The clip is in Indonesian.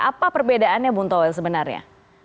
apa perbedaannya buntuwel sebenarnya